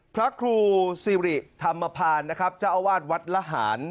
พระครูสิริธรรมพานนะครับเจ้าอาวาสวัดละหาร